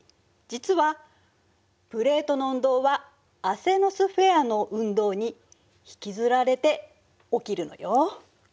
実はプレートの運動はアセノスフェアの運動に引きずられて起きるのよ。